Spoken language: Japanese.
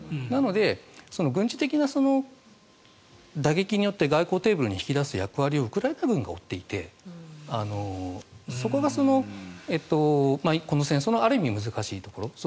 なので、軍事的な打撃によって外交テーブルに引き出す役割をウクライナ軍が負っていてそこがこの戦争のある意味難しいところ。